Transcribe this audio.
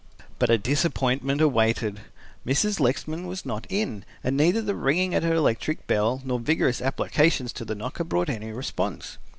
But a disappointment awaited. Mrs. Lexman was not in and neither the ringing at her electric bell nor vigorous applications to the knocker brought any response.